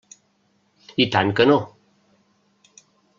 I tant que no!